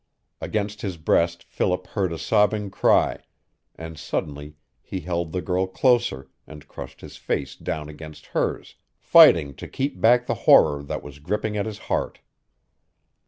Against his breast Philip heard a sobbing cry, and suddenly he held the girl closer, and crushed his face down against hers, fighting to keep back the horror that was gripping at his heart.